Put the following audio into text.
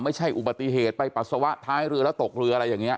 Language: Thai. ไม่ใช่อุบัติเหตุไปปัสสาวะท้ายเรือแล้วตกเรืออะไรอย่างนี้